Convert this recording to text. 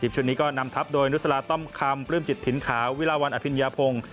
ชุดนี้ก็นำทัพโดยนุษลาต้อมคำปลื้มจิตถิ่นขาววิลาวันอภิญญาพงศ์